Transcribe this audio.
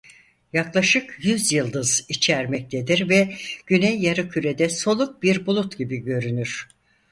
Yaklaşık yüz yıldız içermektedir ve güney yarı-kürede soluk bir bulut gibi görünür.